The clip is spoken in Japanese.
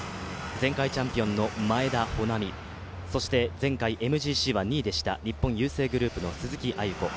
前回チャンピオンの前田穂南、そして、前回、ＭＧＣは２位でした日本郵政グループの鈴木亜由子。